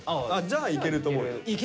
じゃあいけると思う。